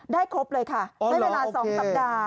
ครบเลยค่ะใช้เวลา๒สัปดาห์